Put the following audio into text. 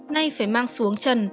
nay phải mang xuống trần